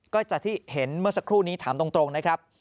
ก็จากที่เห็นเมื่อสักครู่นี้ถามตรงนะครับ